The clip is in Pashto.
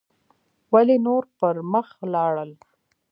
ولې نور پر مخ لاړل